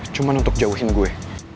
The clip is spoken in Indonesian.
cuman untuk jauhin gue